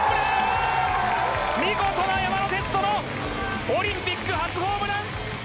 見事な山田哲人のオリンピック初ホームラン！